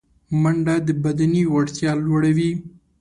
منډه د بدني وړتیا لوړوي